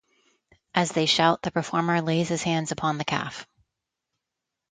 As they shout, the performer lays his hands upon the calf.